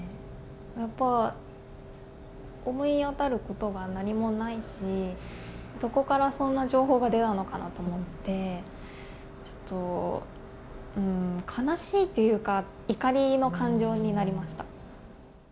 やっぱ、思い当たることが何もないし、どこからそんな情報が出たのかなと思って、ちょっと悲しいっていうか、怒りの感情になりました。